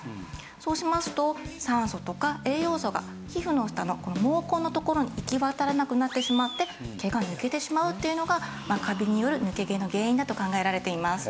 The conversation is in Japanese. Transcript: そうしますと酸素とか栄養素が皮膚の下のこの毛根のところに行き渡らなくなってしまって毛が抜けてしまうというのがカビによる抜け毛の原因だと考えられています。